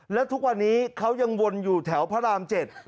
และทุกวันนี้เขายังวนอยู่แถวพระราม๗